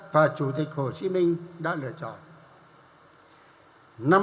và chủ tịch hồ chí minh đã lựa chọn